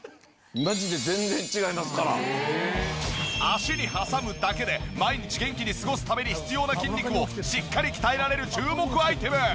脚に挟むだけで毎日元気に過ごすために必要な筋肉をしっかり鍛えられる注目アイテム。